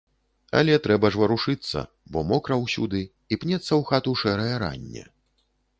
Але трэба ж варушыцца, бо мокра ўсюды, і пнецца ў хату шэрае ранне.